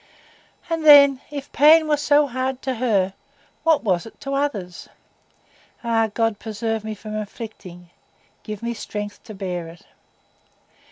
And then, if pain were so hard to her, what was it to others? "Ah, God! preserve me from inflicting—give me strength to bear it."